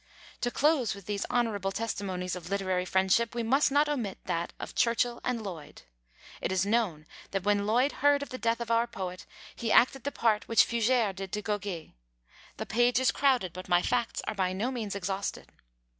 To close with these honourable testimonies of literary friendship, we must not omit that of Churchill and Lloyd. It is known that when Lloyd heard of the death of our poet, he acted the part which Fugere did to Goguet. The page is crowded, but my facts are by no means exhausted.